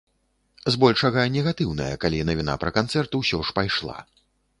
Збольшага негатыўная, калі навіна пра канцэрт усё ж пайшла.